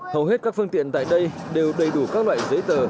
hầu hết các phương tiện tại đây đều đầy đủ các loại giấy tờ